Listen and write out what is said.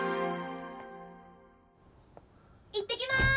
いってきます！